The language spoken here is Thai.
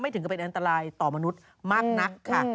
ถึงก็เป็นอันตรายต่อมนุษย์มากนักค่ะ